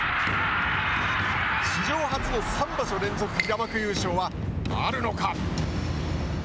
史上初の３場所連続平幕優勝はあるのか！？